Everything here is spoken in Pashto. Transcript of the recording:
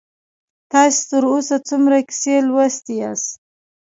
تاسې تر اوسه څومره کیسې لوستي یاست؟